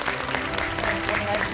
よろしくお願いします。